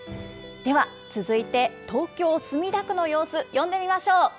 では続いて東京・墨田区の様子、呼んでみましょう。